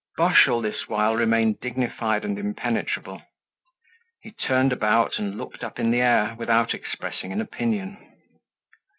Boche, all this while, remained dignified and impenetrable; he turned about and looked up in the air, without expressing an opinion.